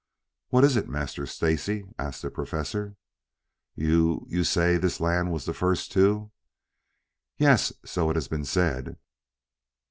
"What is it, Master Stacy?" asked the Professor. "You you say this was the first land to " "Yes, so it has been said."